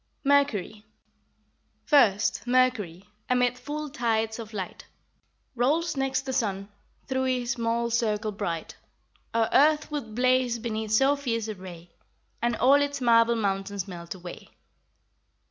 MERCURY. First, Mercury, amid full tides of light, Rolls next the sun, through his small circle bright; Our earth would blaze beneath so fierce a ray, And all its marble mountains melt away.